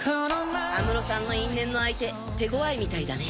安室さんの因縁の相手手ごわいみたいだね。